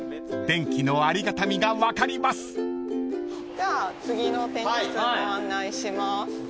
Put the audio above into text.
では次の展示室にご案内します。